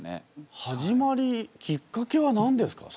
始まりきっかけは何ですか？